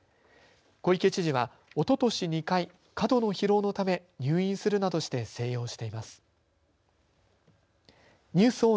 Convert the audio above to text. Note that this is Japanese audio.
小池知事は、おととし２回過度の疲労のため入院するなどして静養しています。